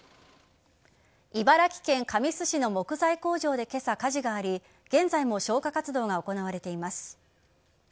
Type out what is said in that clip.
茨城県神栖市の木材工場で今朝、火事があり現在も消火活動が行われています。